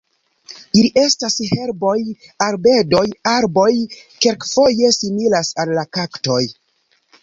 Ili estas herboj, arbedoj, arboj, kelkfoje similas al kaktoj.